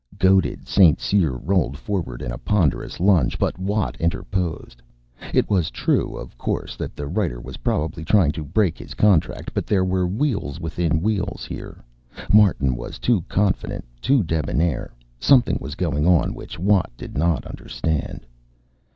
Goaded, St. Cyr rolled forward in a ponderous lunge, but Watt interposed. It was true, of course, that the writer was probably trying to break his contract. But there were wheels within wheels here. Martin was too confident, too debonaire. Something was going on which Watt did not understand.